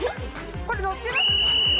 これ乗ってる。